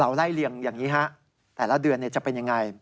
ไล่เลี่ยงอย่างนี้ฮะแต่ละเดือนจะเป็นยังไง